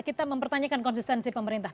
kita mempertanyakan konsistensi pemerintah